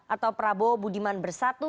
atau prabowo budiman bersatu